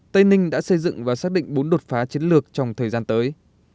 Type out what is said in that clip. tây ninh đã xây dựng và xác định bốn đột phá chiến lược trong thời gian tới